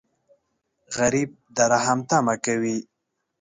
غریب د رحم تمه کوي